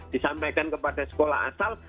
disampaikan kepada sekolah asal